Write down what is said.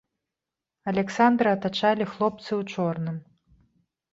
Аляксандра атачалі хлопцы ў чорным.